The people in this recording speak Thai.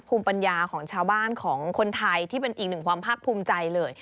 ภูมิปัญญาของชาวบ้านของคนไทยที่เป็นอีกหนึ่งความภาคภูมิใจเลย